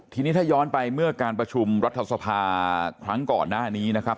ทีนี้ถ้าย้อนไปเมื่อการประชุมรัฐสภาครั้งก่อนหน้านี้นะครับ